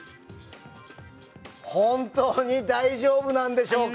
本当に大丈夫なんでしょうか。